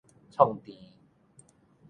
創治